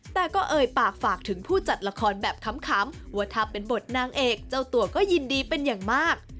แต่ก็เอ่ยปากฝากถึงผู้จัดละครแบบคำว่าถ้าเป็นบทนางเอกเจ้าตัวก็ยินดีเป็นอย่างมาก